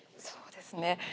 そうですね。